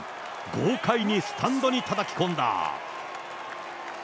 豪快にスタンドにたたき込んだ。